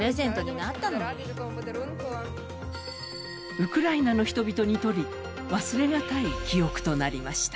ウクライナの人々にとり、忘れがたい記憶となりました。